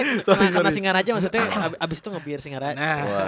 karena singaraja maksudnya abis itu nge beer singaraja